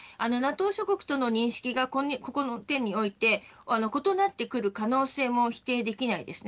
ＮＡＴＯ諸国との認識がこの点において異なってくる可能性も否定できないです。